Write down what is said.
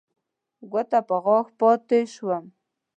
ګوته په غاښ پاتې شوم.